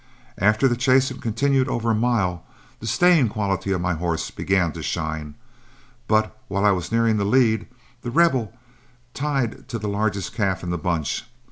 After the chase had continued over a mile, the staying qualities of my horse began to shine, but while I was nearing the lead, The Rebel tied to the largest calf in the bunch.